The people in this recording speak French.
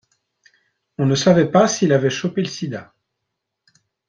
On ne savait pas s'il avait chopé le sida.